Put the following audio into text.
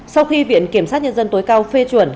sau khi viện kiểm sát nhân dân tối cao phê chuẩn